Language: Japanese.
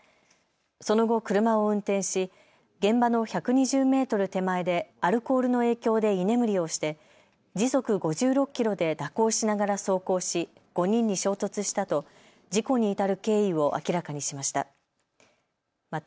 その後、車を運転し現場の１２０メートル手前でアルコールの影響で居眠りをして時速５６キロで蛇行しながら走行し、５人に衝突したと事故に至る経緯を明らかにしました。